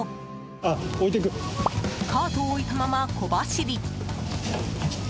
カートを置いたまま、小走り！